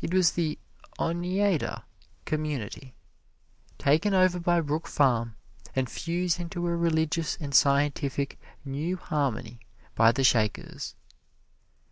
It was the Oneida Community taken over by Brook Farm and fused into a religious and scientific New Harmony by the Shakers.